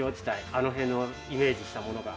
あの辺をイメージしたものが。